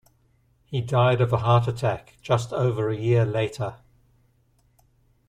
He died of a heart attack just over a year later.